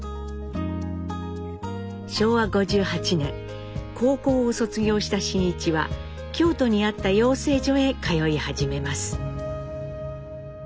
昭和５８年高校を卒業した真一は京都にあった養成所へ通い始めます。